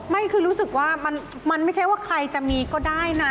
ไม่คือรู้สึกว่ามันไม่ใช่ว่าใครจะมีก็ได้นะ